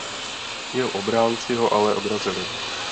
Jeho obránci ho ale odrazili.